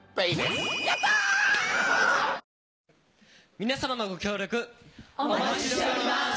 皆様のご協力、お待ちしております。